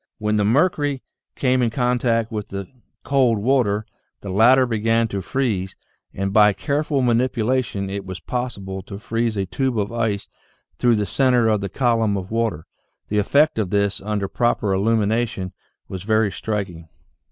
When the mercury came in contact with the cold water, the latter began to freeze and by careful manipulation it was possible to freeze a tube of ice through the center of the column of water. The effect of this under proper illumination was very striking.